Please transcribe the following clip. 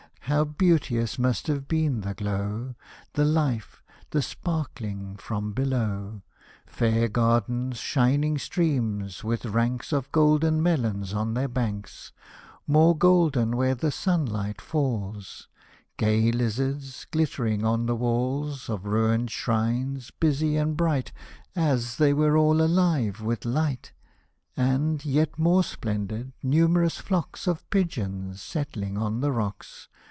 How beauteous must have been the glow. The life, the sparkling from below ! Fair gardens, shining streams, with ranks Of golden melons on their banks, More golden where the sun light falls ;— Gay lizards, glittering on the walls Of ruined shrines, busy and bright. As they were all alive with light ; And, yet more splendid, numerous flocks Of pigeons, settling on the rocks.